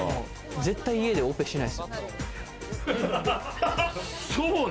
絶対、家でオペしないですよ。